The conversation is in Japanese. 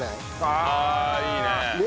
ああいいね。